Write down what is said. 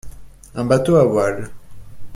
Un bateau à voile.